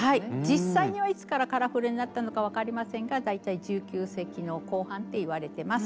実際にはいつからカラフルになったのか分かりませんが大体１９世紀の後半っていわれてます。